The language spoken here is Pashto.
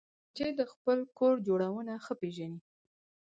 مچمچۍ د خپل کور جوړونه ښه پېژني